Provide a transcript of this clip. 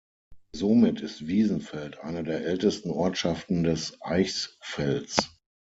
Somit ist Wiesenfeld eine der ältesten Ortschaften des Eichsfelds.